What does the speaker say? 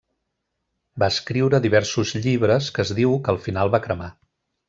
Va escriure diversos llibres que es diu que al final va cremar.